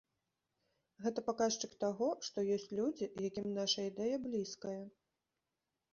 Гэта паказчык таго, што ёсць людзі, якім наша ідэя блізкая.